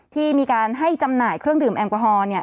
ที่มีการให้จำหน่ายเครื่องดื่มแอลกอฮอล์เนี่ย